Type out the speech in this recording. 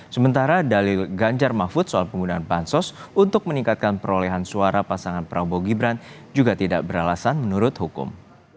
sementara dalil ganjar mahfud soal penggunaan bansos untuk meningkatkan perolehan suara pasangan prabowo gibran juga tidak beralasan menurut hukum